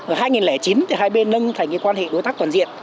và hai nghìn chín thì hai bên nâng thành quan hệ đối tác toàn diện